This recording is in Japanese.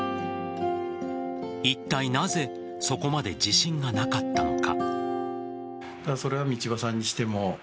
いったいなぜそこまで自信がなかったのか。